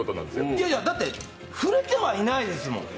いやいや、だって触れてはいないですもん。